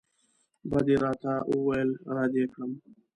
بد یې راته وویل رد یې کړم.